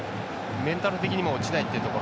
メンタル的にも落ちないところ。